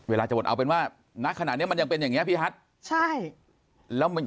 เวลาจะบ่นเอาเป็นว่านักขนาดนี้มันยังเป็นอย่างนี้พี่ฮัทใช่แล้ว